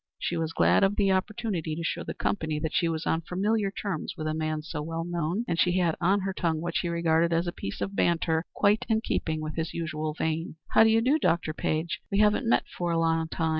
She was glad of the opportunity to show the company that she was on familiar terms with a man so well known, and she had on her tongue what she regarded as a piece of banter quite in keeping with his usual vein. "How d'y do, Dr. Page? We haven't met for a long time.